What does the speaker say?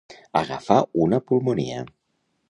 Agafar una pulmonia.